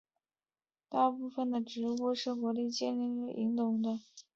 大部分种类的植物都是国立武汉大学建立后引种的。